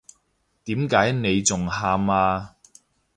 點解你仲喊呀？